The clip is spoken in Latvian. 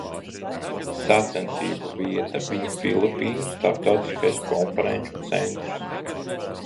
Sacensību vieta bija Filipīnu Starptautiskais konferenču centrs.